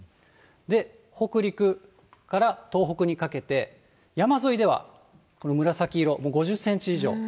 北陸から東北にかけて、山沿いではこの紫色、５０センチ以上。